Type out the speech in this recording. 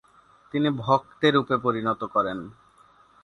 তিনি ভক্তেরূপে পরিণত করেন।